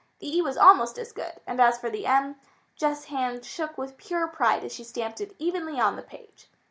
The e was almost as good, and as for the m, Jess' hand shook with pure pride as she stamped it evenly on the page.